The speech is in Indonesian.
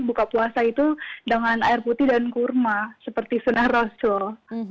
buka puasa itu dengan air putih dan kurma seperti sunnah rasul